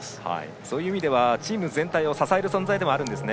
そういう意味ではチーム全体を支える存在でもあるんですね。